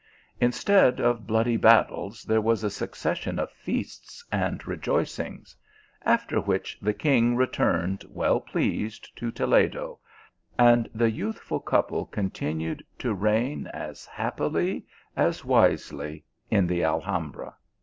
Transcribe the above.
Instead of bloody battles, there was a suc cession of feasts and rejoicings ; after which, the king returned well pleased to Toledo, and the youthful couple continued to reign as happily as wisely, in the Alhambra.